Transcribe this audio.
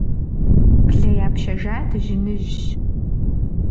Блэ япщэжа дыжьыныжьщ.